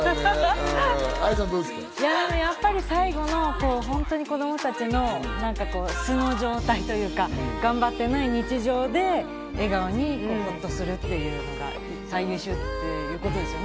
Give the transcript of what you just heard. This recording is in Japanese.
最後のホントに子供たちの素の状態というか、頑張ってない日常で笑顔にウルっとするっていうか、最優秀曲ってことですよね。